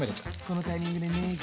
このタイミングでねぎ。